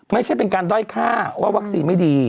ไม่ใช่เป็นการด้อยค่าว่าวัคซีนไม่ดี